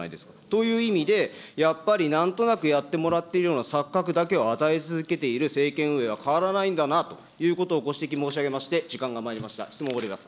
という意味で、やっぱりなんとなくやってもらっているような錯覚だけを与え続けている政権運営は変わらないんだなということをご指摘申し上げまして、時間がまいりました、質問を終わります。